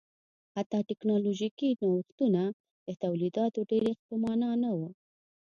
حتی ټکنالوژیکي نوښتونه د تولیداتو ډېرښت په معنا نه و